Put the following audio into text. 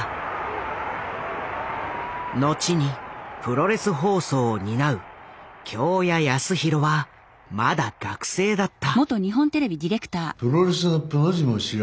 後にプロレス放送を担う京谷康弘はまだ学生だった。